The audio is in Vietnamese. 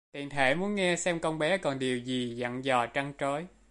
tiện thể muốn nghe xem con bé còn điều gì dặn dò trăn trối